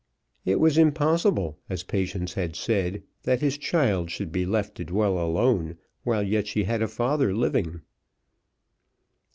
It was impossible, as Patience had said, that his child should be left to dwell alone, while yet she had a father living.